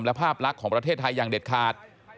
และภาพลักษณ์ของประเทศไทยอย่างเด็ดขาด